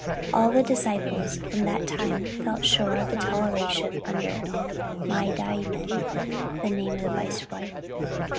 _" All the disciples from that time felt sure of toleration under Mya day men, (the name of the viceroy.)